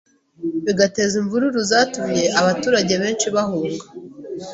bigateza imvururu zatumye abaturage benshi bahunga